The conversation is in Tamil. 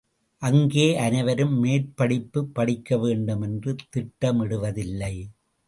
அங்கே அனைவரும் மேற்படிப்புப் படிக்கவேண்டும் என்று திட்டமிடுவதில்லை.